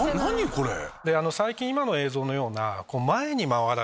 最近今の映像のような。